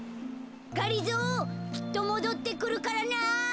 がりぞーきっともどってくるからな。